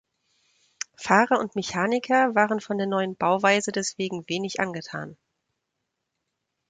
Fahrer und Mechaniker waren von der neuen Bauweise deswegen wenig angetan.